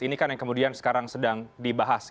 ini kan yang kemudian sekarang sedang dibahas